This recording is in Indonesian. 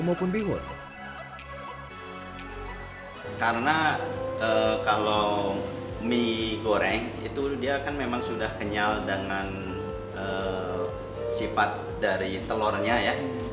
karena kalau mie goreng itu dia kan memang sudah kenyal dengan sifat dari telurnya ya